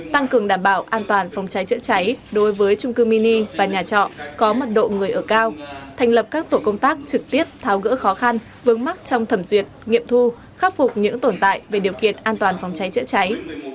tăng cường đảm bảo an toàn phòng cháy chữa cháy đối với trung cư mini và nhà trọ có mật độ người ở cao thành lập các tổ công tác trực tiếp tháo gỡ khó khăn vướng mắt trong thẩm duyệt nghiệm thu khắc phục những tồn tại về điều kiện an toàn phòng cháy chữa cháy